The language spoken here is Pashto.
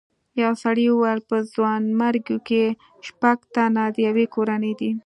یو سړي وویل په ځوانیمرګو کې شپږ تنه د یوې کورنۍ دي.